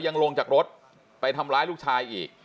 ลงจากรถไปทำร้ายลูกชายอีก